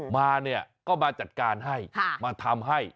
มาเนี่ยก็มาจัดการให้มาทำให้